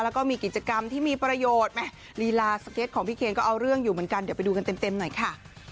แล้วก็มีกิจกรรมที่มีประโยชน์แม่ลีลาสเก็ตของพี่เคนก็เอาเรื่องอยู่เหมือนกันเดี๋ยวไปดูกันเต็มหน่อยค่ะ